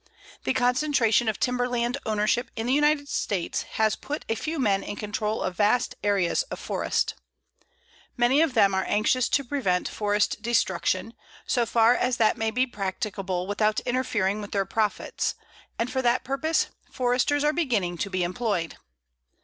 The concentration of timberland ownership in the United States has put a few men in control of vast areas of forest. Many of them are anxious to prevent forest destruction, so far as that may be practicable without interfering with their profits, and for that purpose Foresters are beginning to be employed.